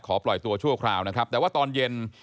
ปล่อยตัวชั่วคราวนะครับแต่ว่าตอนเย็น